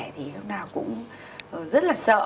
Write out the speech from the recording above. thì lúc nào cũng rất là sợ